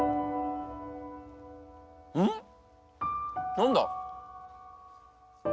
何だ？